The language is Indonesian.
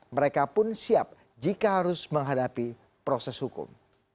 mereka pun siap jika harus menghadapi proses hukum